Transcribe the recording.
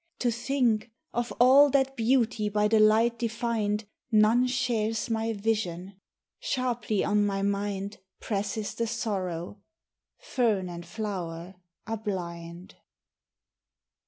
To think Of all that beauty by the light defined None shares my vision 1 Sharply on my mind Presses the sorrow : fern and flower are blind.